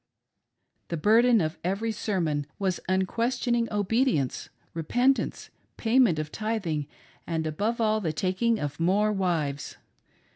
The burden of every sermon was unquestioning obedience, repentance, payment of tithing, and above all the taking of more wives.